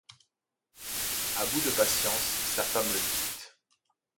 À bout de patience, sa femme le quitte.